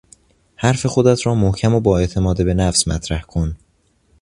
حرف خودت را محکم و با اعتماد به نفس مطرح کن